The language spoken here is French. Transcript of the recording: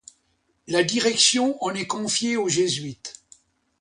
La direction en est confiée aux jésuites.